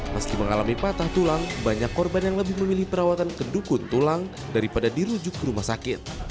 meski mengalami patah tulang banyak korban yang lebih memilih perawatan ke dukun tulang daripada dirujuk ke rumah sakit